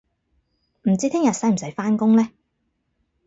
唔知聽日使唔使返工呢